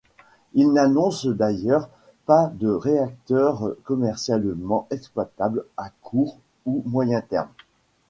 Ils n'annoncent d'ailleurs pas de réacteur commercialement exploitable à court ou moyen terme.